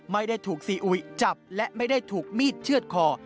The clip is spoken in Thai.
ไม่ได้ถูกซีอุยจับและไม่ได้ถูกมีดเชื่อดคอ